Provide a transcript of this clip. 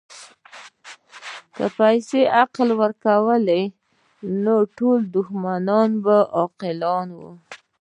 که پیسې عقل ورکولی، نو ټول شتمن به عاقلان وای.